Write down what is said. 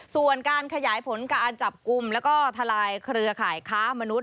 ส่วนการขยายผลการจับกลุ่มแล้วก็ทลายเครือข่ายค้ามนุษย